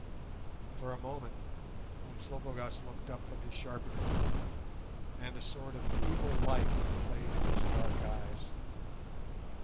For a moment Umslopogaas looked up from his sharpening, and a sort of evil light played in his dark eyes.